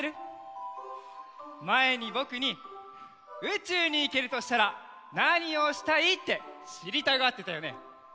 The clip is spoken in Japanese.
まえにぼくに「うちゅうにいけるとしたらなにをしたい？」ってしりたがってたよね。